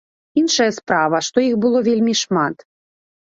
Іншая справа, што іх было вельмі шмат.